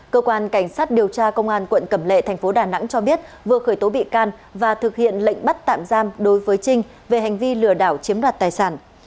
cơ quan cảnh sát điều tra công an quận cẩm lệ thành phố đà nẵng cho biết vừa khởi tố bị can và thực hiện lệnh bắt tạm giam đối với trinh về hành vi lừa đảo chiếm đoạt tài sản